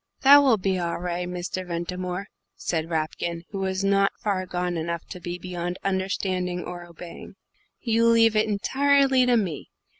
"That will be all ri', Mr. Ventimore," said Rapkin, who was not far gone enough to be beyond understanding or obeying. "You leave it entirely to me.